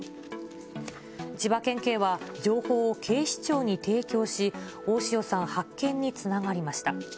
千葉県警は、情報を警視庁に提供し、大塩さん発見につながりました。